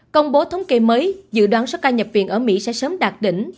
công bố thống kê mới dự đoán số ca nhập viện ở mỹ sẽ sớm đạt đỉnh